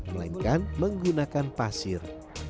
melainkan menggunakan pasir